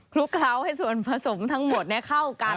ลุกเคล้าให้ส่วนผสมทั้งหมดเข้ากัน